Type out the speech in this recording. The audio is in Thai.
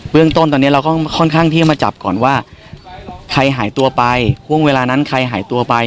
เราก็ค่อนข้างที่จะมาจับก่อนว่าใครหายตัวไปห่วงเวลานั้นใครหายตัวไป